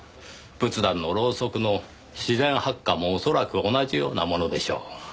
仏壇のろうそくの自然発火も恐らく同じようなものでしょう。